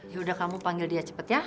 yaudah kamu panggil dia cepat ya